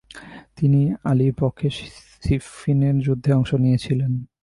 তিনি আলীর পক্ষে সিফফিনের যুদ্ধে অংশ নিয়েছিলেন।